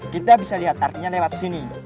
kita bisa lihat artinya lewat sini